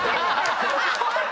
ホントに！